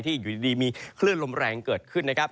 อยู่ดีมีคลื่นลมแรงเกิดขึ้นนะครับ